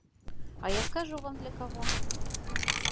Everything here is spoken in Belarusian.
А я скажу вам, для каго.